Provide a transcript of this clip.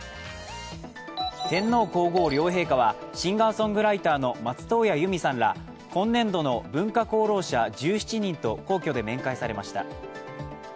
天皇皇后両陛下はシンガーソングライターの松任谷由実さんら、今年度の文化功労者１７人と皇居で面会されました。